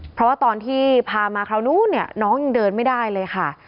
เพราะว่าตอนที่พามาคราวนู้นเนี่ยน้องยังเดินไม่ได้เลยค่ะ